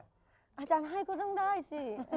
อาจารย์ให้ก็ต้องได้สิ